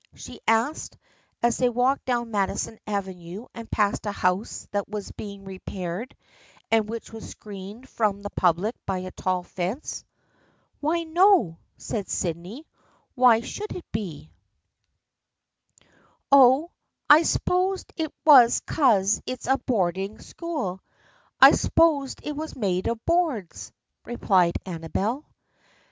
she asked, as they walked down Madison Avenue and passed a house that was being repaired and which was screened from the public by a tall fence. " Why, no," said Sydney. " Why should it be ?" 20 THE FRIENDSHIP OF ANNE "Oh, I s'posed it was 'cause it's a boarding school. I s'posed it was made of boards," replied Amabel.